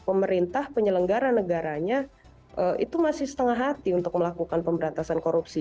pemerintah penyelenggara negaranya itu masih setengah hati untuk melakukan pemberantasan korupsi